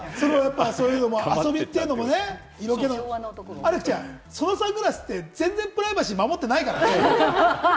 そういうのも遊びっていうのアレクちゃん、そのサングラスって全然プライバシー守ってないからね。